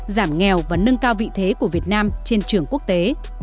giảm nghèo và nâng cao vị thế của việt nam trên trường quốc tế